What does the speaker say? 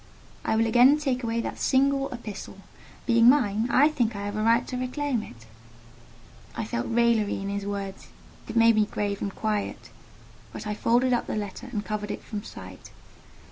"I will again take away that single epistle: being mine, I think I have a right to reclaim it." I felt raillery in his words: it made me grave and quiet; but I folded up the letter and covered it from sight.